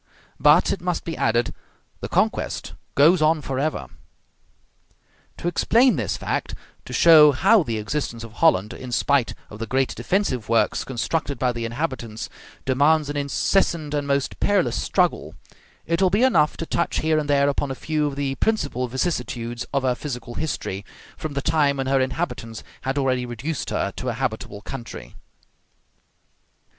But, it must be added, the conquest goes on forever. To explain this fact to show how the existence of Holland, in spite of the great defensive works constructed by the inhabitants, demands an incessant and most perilous struggle it will be enough to touch here and there upon a few of the principal vicissitudes of her physical history, from the time when her inhabitants had already reduced her to a habitable country.